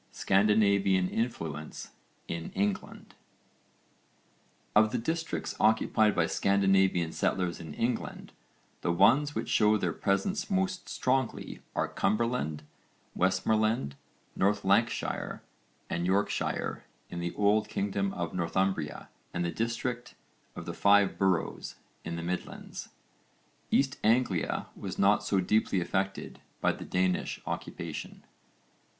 CHAPTER XI SCANDINAVIAN INFLUENCE IN ENGLAND Of the districts occupied by Scandinavian settlers in England the ones which show their presence most strongly are Cumberland, Westmorland, North Lancashire and Yorkshire in the old kingdom of Northumbria and the district of the Five Boroughs in the midlands. East Anglia was not so deeply affected by the Danish occupation.